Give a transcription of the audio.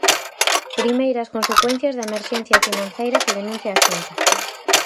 Primeiras consecuencias da emerxencia financeira que denuncia a Xunta.